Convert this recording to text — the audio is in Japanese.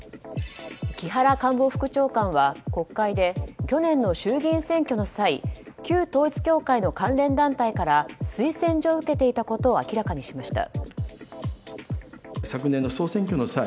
木原官房副長官は国会で去年の衆議院選挙の際旧統一教会の関連団体から推薦状を受けていたことを明らかにしました。